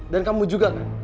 dan kamu juga kan